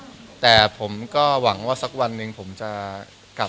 ก็งานทุกวันนะครับจนถึงเดือนหน้านะครับ